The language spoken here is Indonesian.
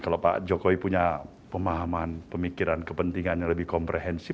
kalau pak jokowi punya pemahaman pemikiran kepentingan yang lebih komprehensif